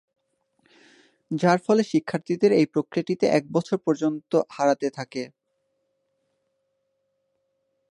যার ফলে শিক্ষার্থীদের এই প্রক্রিয়াটিতে এক বছর পর্যন্ত হারাতে থাকে।